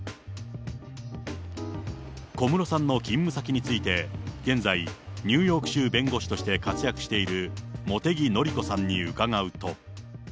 小室さんの勤務先について、現在、ニューヨーク州弁護士として活躍している茂木紀子さんに伺うと。